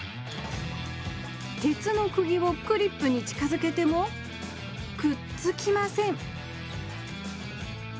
鉄のくぎをクリップに近づけてもくっつきません